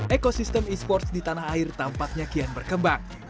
eko sistem esports di tanah air tampaknya kian berkembang